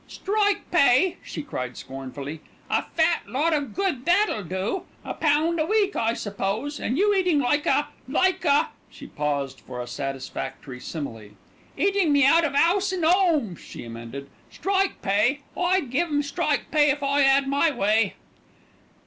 "Strike pay!" she cried scornfully. "A fat lot of good that'll do. A pound a week, I suppose, and you eating like a like a " she paused for a satisfactory simile. "Eating me out of 'ouse and 'ome," she amended. "'Strike pay!' I'd give 'em strike pay if I had my way."